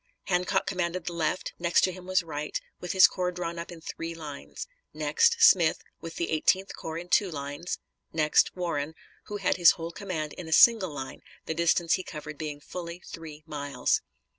Hancock commanded the left; next to him was Wright, with his corps drawn up in three lines; next, Smith, with the Eighteenth Corps in two lines; next, Warren, who had his whole command in a single line, the distance he covered being fully three miles.